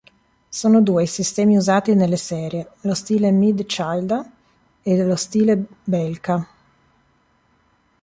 Sono due i sistemi usati nelle serie: lo stile Mid-Childa, e lo stile Belka.